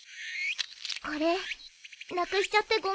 これなくしちゃってごめん。